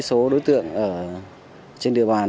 số đối tượng ở trên địa bàn